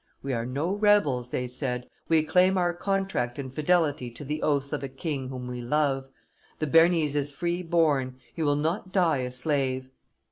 "We are no rebels," they said: "we claim our contract and fidelity to the oaths of a king whom we love. The Bearnese is free born, he will not die a slave.